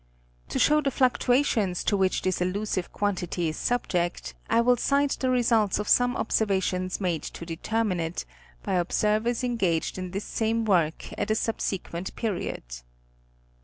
To show the fluctuations to which this elusive quantity is subject, I will cite the results of some observations made to determine it, by observers engaged in this same work at a subsequent period.